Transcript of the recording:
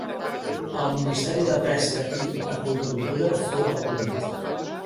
El Ministeri de Pesca i Aqüicultura fou abolit.